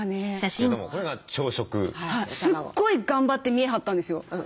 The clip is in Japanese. すっごい頑張って見え張ったんですよ。